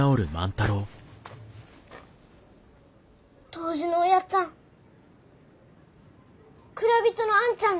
杜氏のおやっつぁん蔵人のあんちゃん